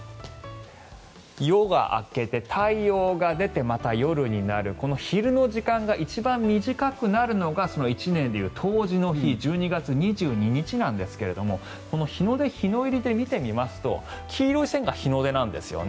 夜が明けて太陽が出てまた夜になる昼の時間が一番短くなるのが１年でいう冬至の日１２月２２日なんですがこの日の出、日の入りで見てみますと黄色い線が日の出なんですよね。